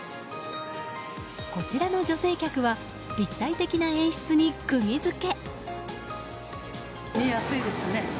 こちらの女性客は立体的な演出に釘付け。